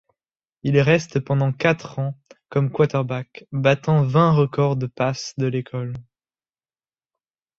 Il reste pendant quatre ans comme quarterback, battant vingt records de passes de l'école.